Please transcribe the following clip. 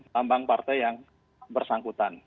lambang partai yang bersangkutan